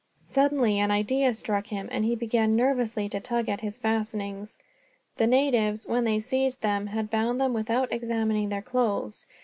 Suddenly an idea struck him, and he began nervously to tug at his fastenings. The natives, when they seized them, had bound them without examining their clothes.